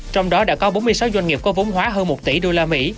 trong đó đã có bốn mươi sáu doanh nghiệp có vốn hóa hơn một tỷ usd